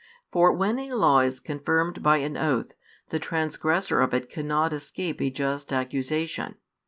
For when a law is confirmed by an oath, the transgressor of it cannot escape a just accusation.